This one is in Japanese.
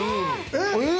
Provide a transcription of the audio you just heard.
えっ！？